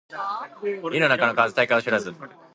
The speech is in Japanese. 井の中の蛙大海を知らず